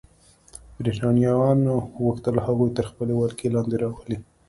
برېټانویانو غوښتل هغوی تر خپلې ولکې لاندې راولي.